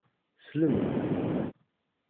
Slem-d!